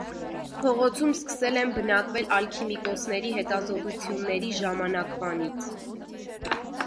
Փողոցում սկսել են բնակվել ալքիմիկոսների հետազոտությունների ժամանակվանից։